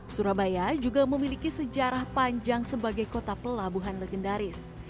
surabaya juga memiliki sejarah panjang sebagai kota pelabuhan legendaris